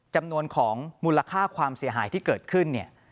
จำนวนของมูลค่าความเสียหายที่เกิดขึ้นเนี่ย